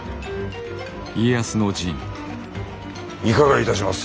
いかがいたします？